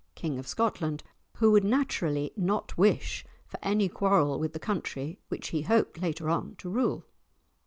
King of Scotland, who would naturally not wish for any quarrel with the country which he hoped later on to rule.